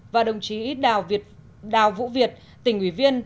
và đồng chí đào vũ việt tỉnh ủy viên